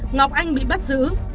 ngọc anh bị bắt giữ